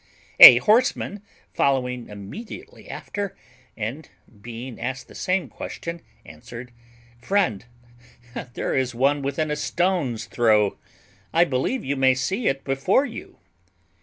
A horseman, following immediately after, and being asked the same question, answered, "Friend, there is one within a stone's throw; I believe you may see it before you."